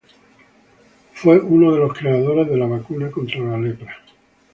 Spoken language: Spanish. Fue uno de los creadores de la vacuna contra la lepra.